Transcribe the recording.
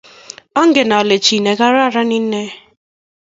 Angen kole chi negararan inne?